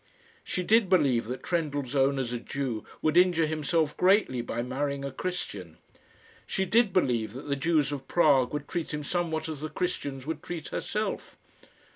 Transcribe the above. She did believe that Trendellsohn, as a Jew, would injure himself greatly by marrying a Christian. She did believe that the Jews of Prague would treat him somewhat as the Christians would treat herself.